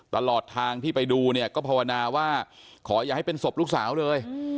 ตลอดทางที่ไปดูเนี่ยก็ภาวนาว่าขออย่าให้เป็นศพลูกสาวเลย